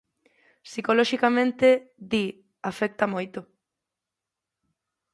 Psicoloxicamente, di, "afecta moito".